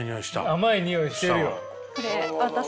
甘い匂いしてるよ。